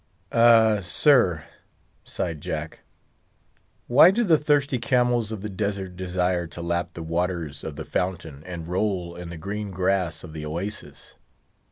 "Ah! sir," sighed Jack, "why do the thirsty camels of the desert desire to lap the waters of the fountain and roll in the green grass of the oasis?